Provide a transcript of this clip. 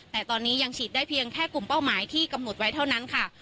แต่ตอนนี้ยังฉีดได้เพียงแค่กลุ่มเป้าหมายที่กำหนดไว้เท่านั้นค่ะ